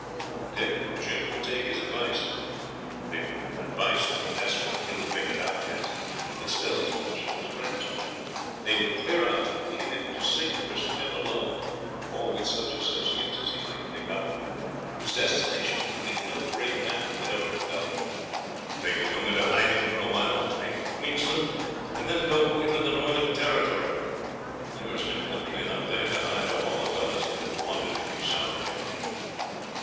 If Dick and Jim would take his advice the advice of a desperate, ill fated outcast, but still staunch to his friends they would clear out, and leave him to sink or swim alone, or with such associates as he might pick up, whose destination would be no great matter whatever befell them. They could go into hiding for a while make for Queensland and then go into the northern territory. There was new country enough there to hide all the fellows that were 'wanted' in New South Wales.